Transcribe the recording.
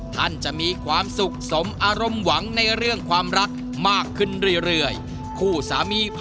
ท่านจะมีความสุขสมอารมณ์หวังในเรื่องความรักมากขึ้นเรื่อย